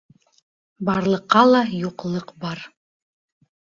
Барлыҡҡа ла юҡлыҡ бар.